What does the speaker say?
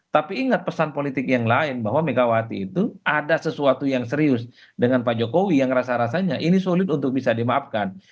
tapi ingat pesan politik yang lain bahwa megawati itu ada sesuatu yang serius dengan pak jokowi yang rasa rasanya ini sulit untuk bisa dimaafkan